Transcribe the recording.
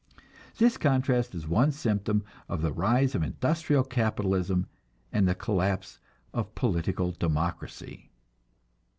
This contrast is one symptom of the rise of industrial capitalism and the collapse of political democracy.